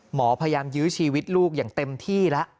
หมอพยายามยื้อชีวิตลูกอย่างเต็มที่แล้ว